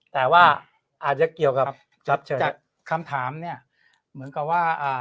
แต่ว่าอาจจะเกี่ยวกับจากคำถามเนี่ยเหมือนกับว่าอ่า